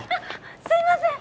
すいません！